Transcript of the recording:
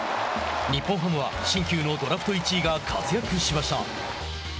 日本ハムは新旧のドラフト１位が活躍しました。